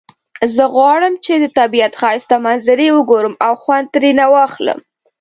زه غواړم چې د طبیعت ښایسته منظری وګورم او خوند ترینه واخلم